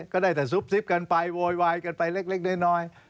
ก็ได้แต่ซุบซิบกันไปโวยวายกันไปเล็กน้อย